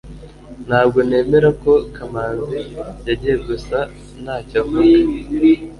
ntabwo nemera ko kamanzi yagiye gusa ntacyo avuga